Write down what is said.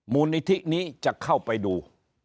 มูลนิธินี้จะเข้าไปดู